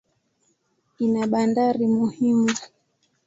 Ina bandari muhimu.